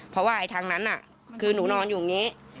เพราะว่าทางนั้นคือหนูนอนอยู่อย่างนี้